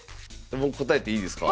もう答えていいですか？